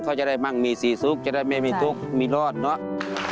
เขาจะได้มั่งมีสีสุขจะได้ไม่มีทุกข์มีรอดเนอะ